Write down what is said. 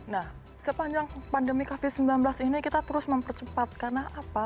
nah sepanjang pandemi covid sembilan belas ini kita terus mempercepat karena apa